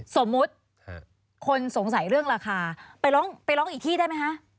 สมมุติคนสงสัยเรื่องราคาไปร้องอีกที่ได้ไหมคะ